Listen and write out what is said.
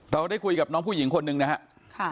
เราได้คุยกับน้องผู้หญิงคนหนึ่งนะครับ